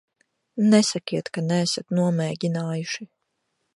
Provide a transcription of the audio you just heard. Nesakiet, ka neesat nomēģinājuši.